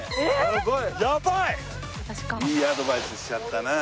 いいアドバイスしちゃったな。